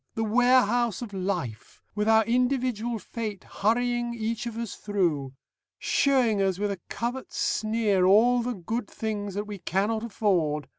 The Warehouse of Life, with our Individual Fate hurrying each of us through. Showing us with a covert sneer all the good things that we cannot afford.